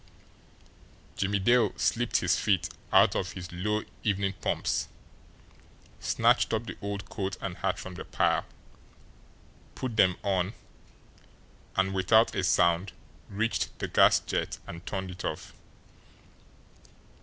Jimmie Dale slipped his feet out of his low evening pumps, snatched up the old coat and hat from the pile, put them on, and, without a sound, reached the gas jet and turned it off.